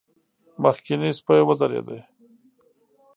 مخکينی سپی ودرېد.